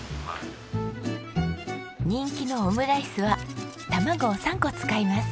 人気のオムライスは卵を３個使います。